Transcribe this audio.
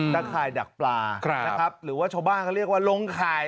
ข่ายดักปลานะครับหรือว่าชาวบ้านเขาเรียกว่าลงข่าย